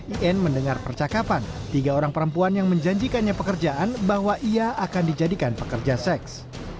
in mendengar percakapan tiga orang perempuan yang menjanjikannya pekerjaan bahwa ia akan dijadikan pekerja seks